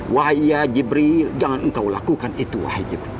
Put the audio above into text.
wahai jibril jangan engkau lakukan itu wahai jibril